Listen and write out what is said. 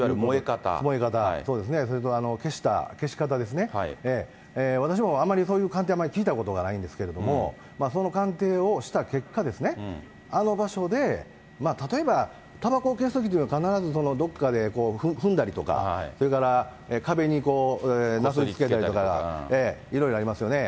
燃え方、それから消し方ですね、私もあまりそういう鑑定は聞いたことがないんですけども、その鑑定をした結果、あの場所で、例えばたばこを消すときというのは、必ずどこかで踏んだりとか、それから壁になすりつけたりとか、いろいろありますよね。